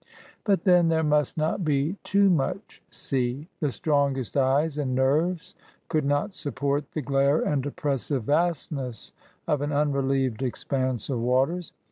But then, there must not be too much sea. The strongest eyes and nerves could not support the glare and oppressive vastness of an unrelieved expanse of waters.